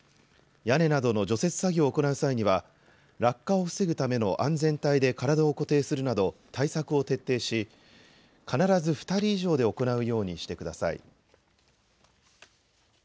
屋根などの除雪作業を行う際には落下を防ぐための安全帯で体を固定するなど対策を徹底し必ず２人以上で行うようにしてください。